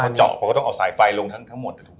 พวกเขาเจาะพวกเขาต้องเอาสายไฟลงทั้งหมดถูกไหมครับ